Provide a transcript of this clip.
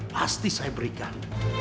pasti saya berikan